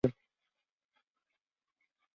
Fue conocido en España como Juan Curcio.